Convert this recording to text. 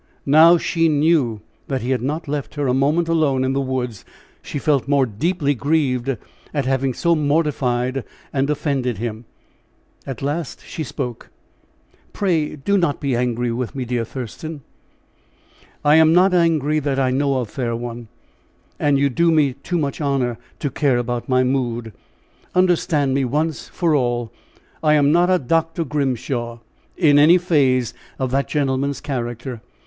Now that she knew that he had not left her a moment alone in the woods, she felt more deeply grieved at having so mortified and offended him. At last she spoke: "Pray, do not be angry with me, dear Thurston." "I am not angry that I know of, fair one; and you do me too much honor to care about my mood. Understand me once for all. I am not a Dr. Grimshaw, in any phase of that gentleman's character.